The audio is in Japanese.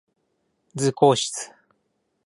図工室